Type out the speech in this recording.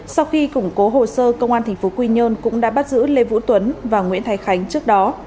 sau khi củng cố hồ sơ công an tp quy nhơn cũng đã bắt giữ lê vũ tuấn và nguyễn thái khánh trước đó